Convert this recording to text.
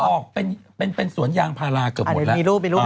ออกเป็นสวนยางพาราเกือบหมดแล้ว